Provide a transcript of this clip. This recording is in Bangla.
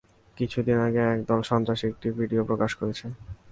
কিছুদিন আগে, একদল সন্ত্রাসী একটা ভিডিও প্রকাশ করেছে।